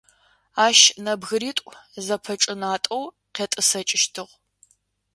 Ащ нэбгыритӏу зэпэчӏынатӏэу къетӏысэкӏыщтыгъ.